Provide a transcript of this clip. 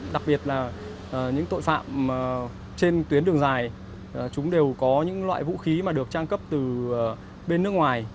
đặc biệt là những tội phạm trên tuyến đường dài chúng đều có những loại vũ khí mà được trang cấp từ bên nước ngoài